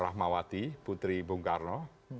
rahmawati putri bung karno